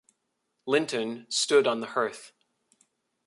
Linton stood on the hearth.